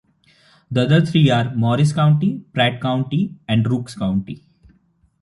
The other three are Morris County, Pratt County, and Rooks County.